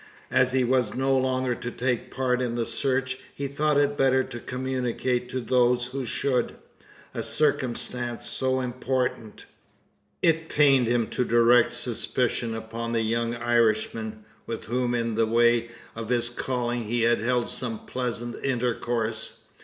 As he was no longer to take part in the search, he thought it better to communicate to those who should, a circumstance so important. It pained him to direct suspicion upon the young Irishman, with whom in the way of his calling he had held some pleasant intercourse.